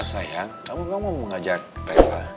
sayang kamu mau mengajak reva